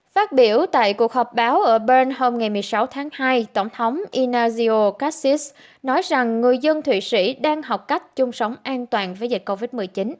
phát biểu tại cuộc họp báo ở bern hôm một mươi sáu tháng hai tổng thống ignacio casis nói rằng người dân thụy sĩ đang học cách chung sống an toàn với dịch covid một mươi chín